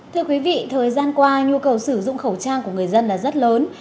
thưa quý vị thời gian qua nhu cầu sử dụng khẩu trang của người dân là rất lớn